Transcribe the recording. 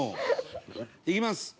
いきます。